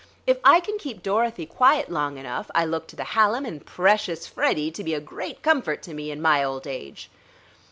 If I can keep Dorothy quiet long enough, I look to the Hallam and precious Freddie to be a great comfort to me in my old age."